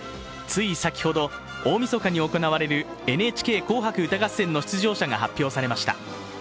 つい先ほど、大みそかに行われる「ＮＨＫ紅白歌合戦」の出場者が発表されました。